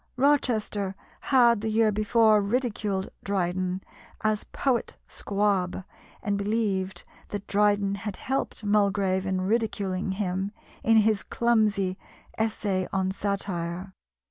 Rochester had the year before ridiculed Dryden as "Poet Squab," and believed that Dryden had helped Mulgrave in ridiculing him in his clumsy "Essay on Satire."